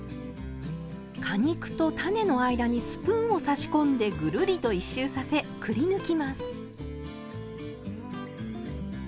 果肉と種の間にスプーンを差し込んでぐるりと１周させくりぬきます。